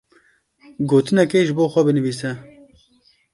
Gotinekê ji bo xwe binivîse.